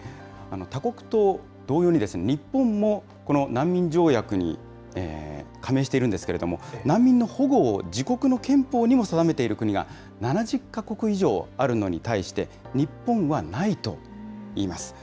他国と同様に、日本もこの難民条約に加盟しているんですけれども、難民の保護を自国の憲法にも定めている国が７０か国以上あるのに対して、日本はないといいます。